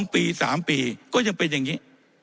๒ปี๓ปีก็ยังเป็นอย่างนี้